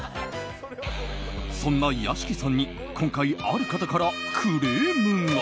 そんな屋敷さんに今回ある方からクレームが。